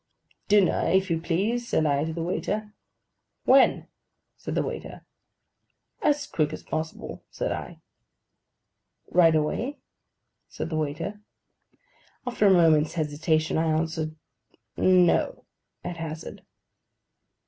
'Dinner, if you please,' said I to the waiter. 'When?' said the waiter. 'As quick as possible,' said I. 'Right away?' said the waiter. After a moment's hesitation, I answered 'No,' at hazard.